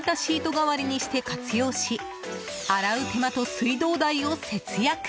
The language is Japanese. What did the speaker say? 代わりにして活用し洗う手間と水道代を節約。